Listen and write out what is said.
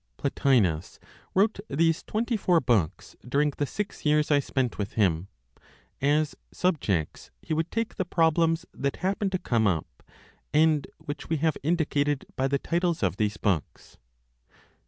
Plotinos wrote these twenty four books during the six years I spent with him; as subjects he would take the problems that happened to come up, and which we have indicated by the titles of these books.